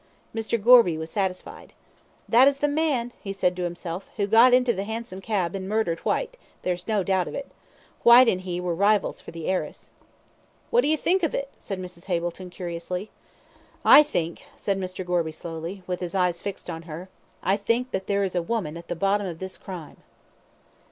Mr. Gorby was satisfied. "That is the man," he said to himself, "who got into the hansom cab, and murdered Whyte; there's no doubt of it! Whyte and he were rivals for the heiress." "What d'y think of it?" said Mrs. Hableton curiously. "I think," said Mr. Gorby slowly, with his eyes fixed on her, "I think that there is a woman at the bottom of this crime."